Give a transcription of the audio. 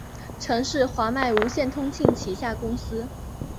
曾是华脉无线通信旗下公司。